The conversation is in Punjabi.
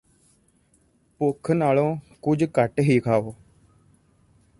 ਭੁੱਖ ਨਾਲੋਂ ਕੁਝ ਘੱਟ ਹੀ ਖਾਓ